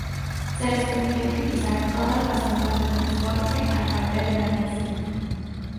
Se les permitió utilizar todas las formas de transporte, aparte de la aviación.